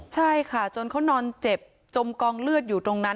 ใช่ค่ะจนเขานอนเจ็บจมกองเลือดอยู่ตรงนั้น